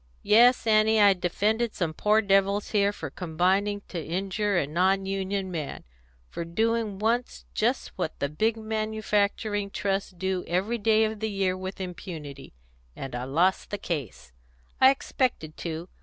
Yes, Annie, I defended some poor devils here for combining to injure a non union man for doing once just what the big manufacturing Trusts do every day of the year with impunity; and I lost the case. I expected to.